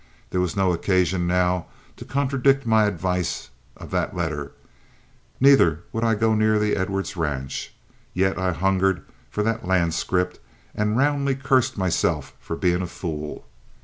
There was no occasion now to contradict my advice of that letter, neither would I go near the Edwards ranch, yet I hungered for that land scrip and roundly cursed myself for being a fool.